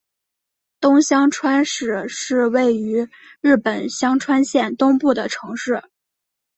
东香川市是位于日本香川县东部的城市。